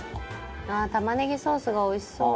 「ああー玉ねぎソースがおいしそう」